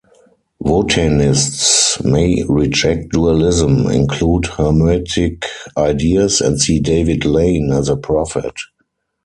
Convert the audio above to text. Wotanists may reject dualism, include Hermetic ideas, and see David Lane as a prophet.